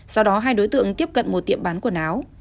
sau đó hai đối tượng tiếp cận một tiệm bán quần áo